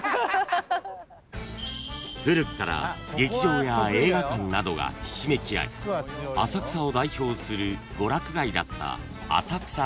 ［古くから劇場や映画館などがひしめき合い浅草を代表する娯楽街だった］